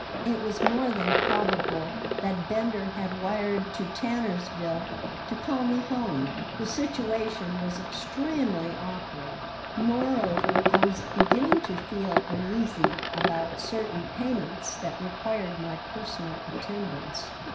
It was more than probable that Bender had wired to Tannersville to call me home. The situation was extremely awkward. Moreover, I was beginning to feel uneasy about certain payments that required my personal attendance.